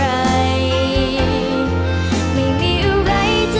ไม่มีอะไรจะทำร้ายเธอ